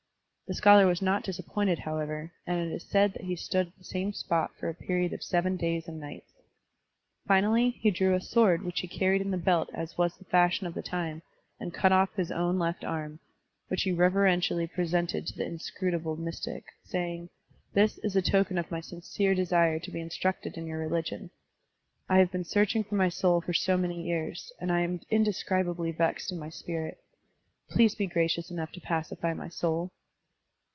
The scholar was not disappointed, however, and it is said that he stood at the same spot for a period of seven days and nights. Finally, he drew a sword which he carried in the belt as was the fashion of the time, and cut off his own left arm, which he reveren tially presented to the inscrutable mystic, saying: This is a token of my sincere desire to be instructed in your religion. I have been search ing for my soul for so many years, and I am indescribably vexed in my spirit. Please be gracious enough to pacify my soul."